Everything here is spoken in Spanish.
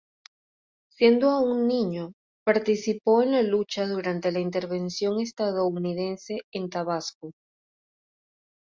Siendo aún niño participó en la lucha durante la Intervención estadounidense en Tabasco.